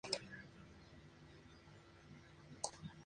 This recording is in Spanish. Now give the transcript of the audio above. En España fue publicado bajo el título "Violetta: La Música es mi Mundo".